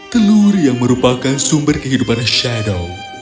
telur yang merupakan sumber kehidupan shadow